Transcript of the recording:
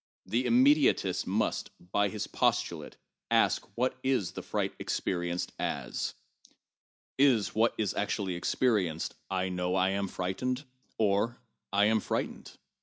The immediatist must, by his postulate, ask what is the fright experienced as. Is what is actually experienced, I know I am frightened, or I am f rightened